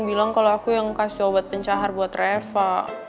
bilang kalau aku yang kasih obat pencahar buat reva